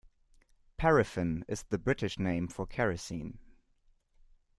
Paraffin is the British name for kerosene